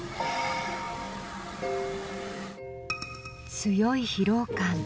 強い疲労感。